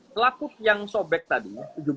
selaput yang sobek tadi